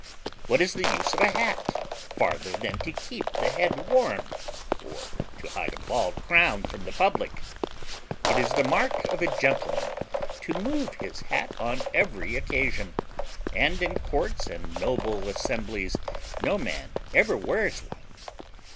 What is the use of a hat farther than to keep the head warm, or to hide a bald crown from the public? It is the mark of a gentleman to move his hat on every occasion; and in courts and noble assemblies no man ever wears one.